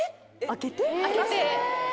開けて。